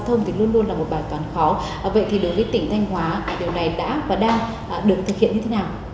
không thì luôn luôn là một bài toán khó vậy thì đối với tỉnh thanh hóa điều này đã và đang được thực hiện như thế nào